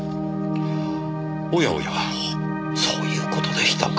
おやおやそういう事でしたか。